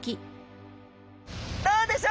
どうでしょうか？